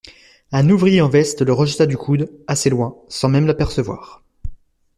Un ouvrier en veste le rejeta du coude, assez loin, sans même l'apercevoir.